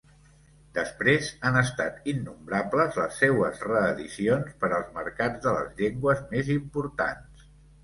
Després, han estat innombrables les seues reedicions per als mercats de les llengües més importants.